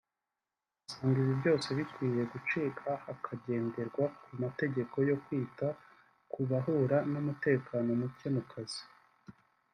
Asanga ibi byose bikwiye gucika hakagenderwa ku mategeko yo kwita ku bahura n’umutekano muke mu kazi